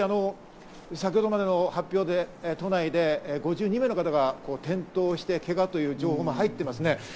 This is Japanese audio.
先程までの発表で都内で５２名の方が転倒してけがという情報も入っていますね。